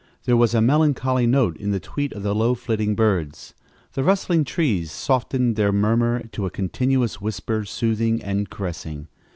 There was a melancholy note in the tweet of the low flitting birds. The rustling trees softened their murmur to a continuous whisper, soothing and caressing.